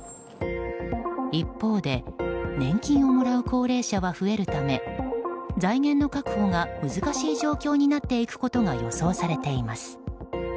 一方で年金をもらう高齢者は増えるため財源の確保が難しい状況になっていくことが予想されています。